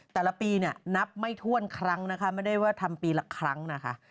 แต่ละปีเนี่ยนับไม่ถ้วนครั้งนะคะไม่ได้ว่าทำปีละครั้งนะคะ